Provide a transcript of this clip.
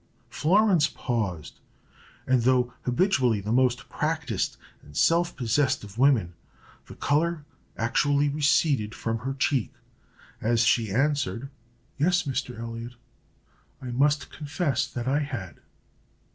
Florence paused, and though habitually the most practised and self possessed of women, the color actually receded from her cheek, as she answered, "Yes, Mr. Elliot; I must confess that I had."